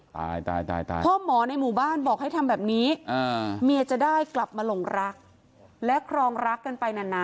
ตายตายตายพ่อหมอในหมู่บ้านบอกให้ทำแบบนี้เมียจะได้กลับมาหลงรักและครองรักกันไปนาน